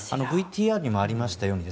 ＶＴＲにもありましたように